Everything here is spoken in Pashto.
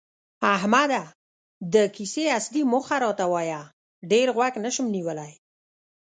احمده! د کیسې اصلي موخه راته وایه، ډېر غوږ نشم نیولی.